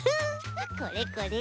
これこれ。